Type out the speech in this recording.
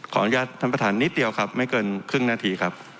ขออนุญาตท่านประธานนิดเดียวครับไม่เกินครึ่งนาทีครับ